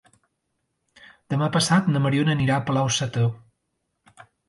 Demà passat na Mariona anirà a Palau-sator.